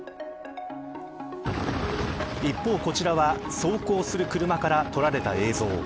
一方、こちらは走行する車から撮られた映像。